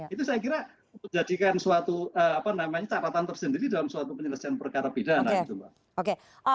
itu saya kira menjadikan capatan tersendiri dalam suatu penyelesaian perkara bidana